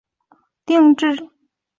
遂成定制。